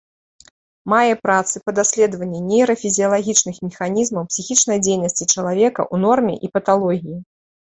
Мае працы па даследаванні нейрафізіялагічных механізмаў псіхічнай дзейнасці чалавека ў норме і паталогіі.